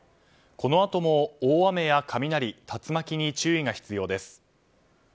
このあとも大雨や雷、竜巻に注意が必要です。